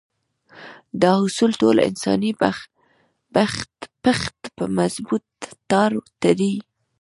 دا اصول ټول انساني پښت په مضبوط تار تړي.